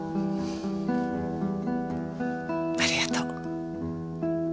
ありがとう。